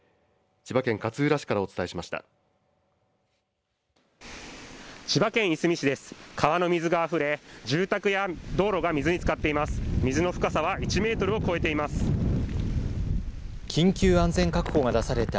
千葉県勝浦市からお伝えしました。